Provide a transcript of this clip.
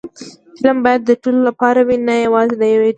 فلم باید د ټولو لپاره وي، نه یوازې د یوې ډلې